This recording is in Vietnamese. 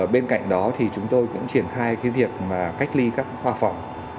bên cạnh đó thì chúng tôi cũng triển khai cái việc mà cách ly các khoa phòng